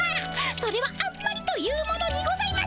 それはあんまりというものにございます。